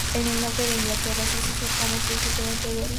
En el norte de Inglaterra y Escocia se come preferentemente el haddock.